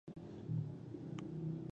د سيدآباد ولسوالۍ له ډبرو سمه گټه اخيستل: